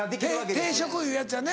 定食いうやつやね。